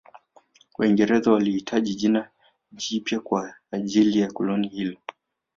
Waingereza walihitaji jina jipya kwa ajili ya koloni hilo